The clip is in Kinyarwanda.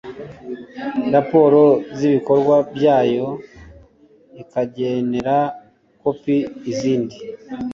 raporo z ibikorwa byayo ikagenera kopi izindi